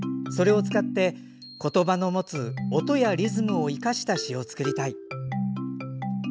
それを使って言葉の持つ音やリズムを生かした詩を作りたい。